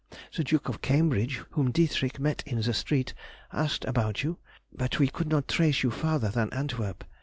The Duke of Cambridge, whom Dietrich met in the street, asked about you, but we could not trace you farther than Antwerp.